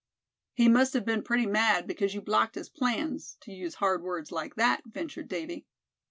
"He must have been pretty mad because you blocked his plans, to use hard words like that," ventured Davy.